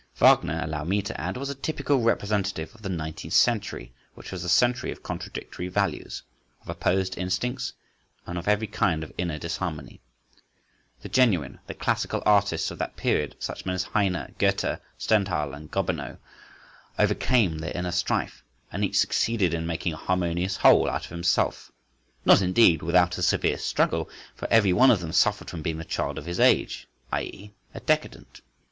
Wagner, allow me to add, was a typical representative of the nineteenth century, which was the century of contradictory values, of opposed instincts, and of every kind of inner disharmony. The genuine, the classical artists of that period, such men as Heine, Goethe, Stendhal, and Gobineau, overcame their inner strife, and each succeeded in making a harmonious whole out of himself—not indeed without a severe struggle; for everyone of them suffered from being the child of his age, i.e., a decadent.